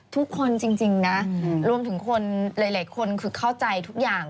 ทุกคนจริงนะรวมถึงคนหลายคนคือเข้าใจทุกอย่าง